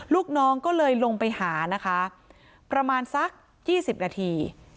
ลูกน้องก็เลยลงไปหานะคะประมาณสัก๒๐นาที